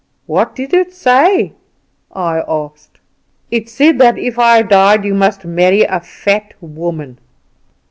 "'What did it say?' I asked. "'It said that if I died you must marry a fat woman.